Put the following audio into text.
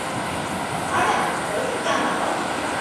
Hara, Belgikan dago!